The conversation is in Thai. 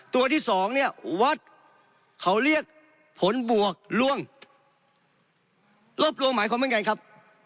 ตัวที่สองเนี่ยวัดเขาเรียกผลบวกล่วงลบลวงหมายความเป็นไงครับ